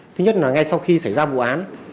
thứ nhất là ngay sau khi xảy ra vụ án